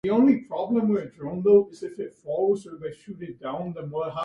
This serves to relieve the redness of the eye caused by minor ocular irritants.